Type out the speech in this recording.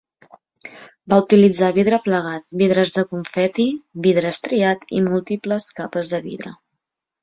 Va utilitzar vidre plegat, vidres de confeti, vidre estriat i múltiples capes de vidre.